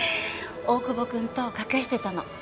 大久保君と賭けしてたの。